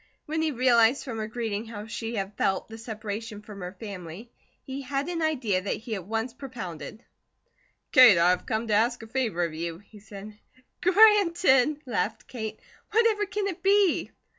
When he realized from her greeting how she had felt the separation from her family, he had an idea that he at once propounded: "Kate, I have come to ask a favour of you," he said. "Granted!" laughed Kate. "Whatever can it be?"